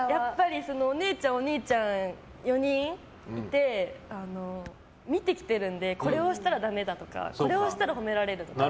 お姉ちゃん、お兄ちゃん４人いて見てきているのでこれをしたらダメだとかこれをしたら褒められるとか。